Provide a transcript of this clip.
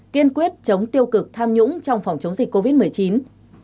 kiên quyết chống tiêu cực tham nhũng trong phòng chống dịch covid một mươi chín